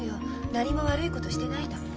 何も悪いことしてないんだもん。